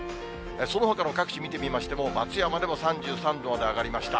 そのほかの各地見てみましても、松山でも３３度まで上がりました。